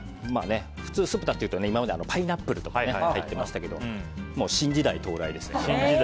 普通、酢豚っていうとパイナップルとか入ってましたけど新時代到来ですね。